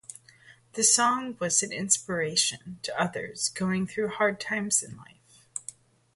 The song was an inspiration to others going through hard times in life.